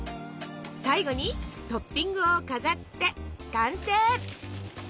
最後にトッピングを飾って完成。